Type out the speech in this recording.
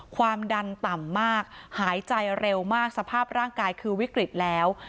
ความดันต่ำมากหายใจเร็วมากสภาพร่างกายคือวิกฤตแล้ว